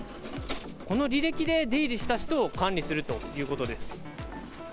この履歴で出入りした人を管理するということです。